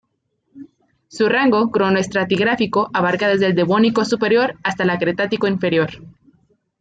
Su rango cronoestratigráfico abarcaba desde el Devónico superior hasta la Cretácico inferior.